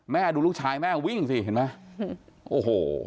ดูลูกชายแม่วิ่งสิเห็นไหมโอ้โห